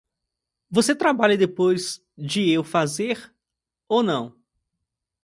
Você trabalha depois de eu fazer ou não?